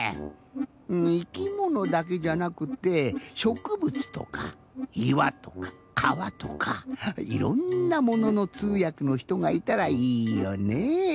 いきものだけじゃなくってしょくぶつとかいわとかかわとかいろんなもののつうやくのひとがいたらいいよね。